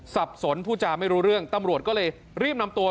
สับสนผู้จาไม่รู้เรื่องตำรวจก็เลยรีบนำตัว